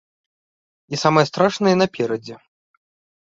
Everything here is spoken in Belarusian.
І самае страшнае наперадзе.